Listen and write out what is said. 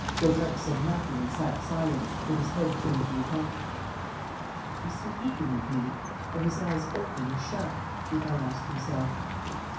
Daubrecq said nothing and sat silent, with his head turned to Lupin. "Is he looking at me? Are his eyes open or shut?" Lupin asked himself.